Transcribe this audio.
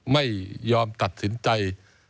ไม่ยอมตัดสินใจ